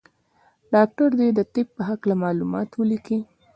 ډاکټر دي د طب په هکله معلومات ولیکي.